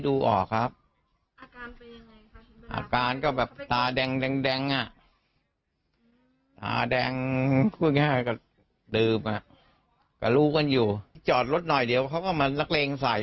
พูดกับเราว่ายังไงตอนที่จะเข้ามาต่อย